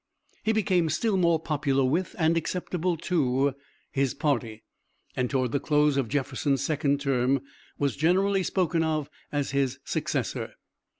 He became still more popular with, and acceptable to, his party and toward the close of Jefferson's second term was generally spoken of as his successor.